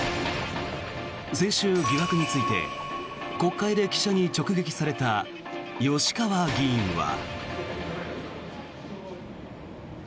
先週、疑惑について国会で記者に直撃された吉川議員は。